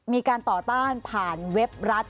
มีการต่อต้านผ่านเว็บรัฐ